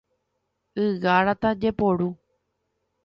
Ygarata jeporu.